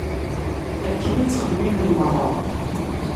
Akken i ttxemmimen meṛṛa.